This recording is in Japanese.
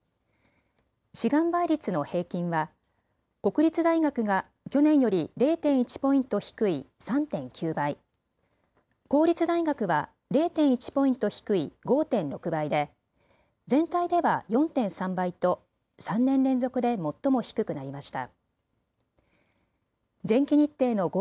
志願倍率の平均は国立大学が去年より０．１ポイント低い３．９倍、公立大学は０．１ポイント低い５．６倍で全体では４．３倍と３年連続で最も低くなりました。